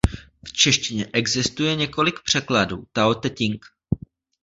V češtině existuje několik překladů Tao te ťing.